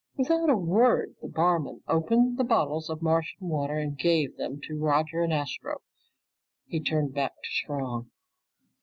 Without a word, the barman opened the bottles of Martian water and gave them to Roger and Astro. He turned back to Strong.